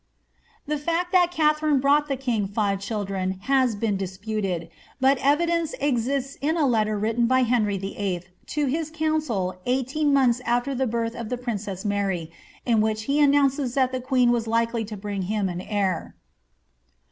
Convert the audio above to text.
The hcl that Katharine brought the king five children has been dis puted, but evidence exists in a letter written by Henry VIII. to his council' eighteen months afler the birth of the princess Mary, in which he annoiinces that the queen was likely to bring him an heir.